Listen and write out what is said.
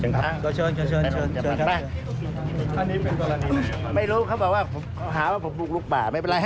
จะชอบค่ะไปลงปัจจัยมันไปนะนะ